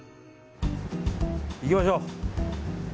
行きましょう。